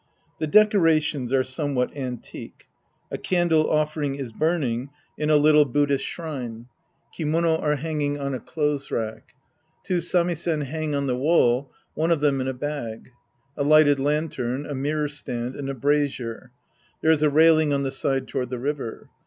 The decorations are someivhat antique. A candle offering is burning in a little Bud 154 The Priest and His Disciples Act IV dhist shrine. Kimono are hanging on a clothes rack. Two samisen hang on the wall, one of them in a bag. A lighted lantern, a mirror stand auda brazier. There is a railing on the side toward the river.